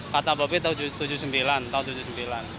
kata bapak b tahun seribu sembilan ratus tujuh puluh sembilan